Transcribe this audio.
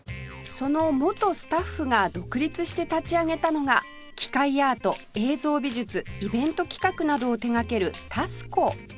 その元スタッフが独立して立ち上げたのが機械アート映像美術イベント企画などを手掛ける ＴＡＳＫＯ